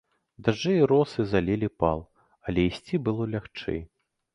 Дажджы і росы залілі пал, але ісці было лягчэй.